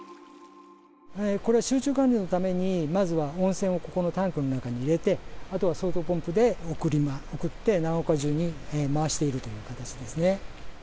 これは集中管理のために、まずは温泉をここのタンクの中に入れて、あとはポンプで送って、長岡中に回しているという形ですね。